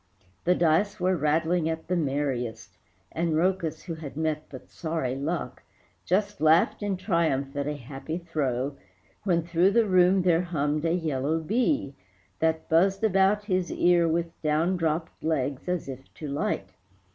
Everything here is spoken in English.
The dice were rattling at the merriest, And Rhœcus, who had met but sorry luck, Just laughed in triumph at a happy throw, When through the room there hummed a yellow bee That buzzed about his ear with down dropped legs As if to light.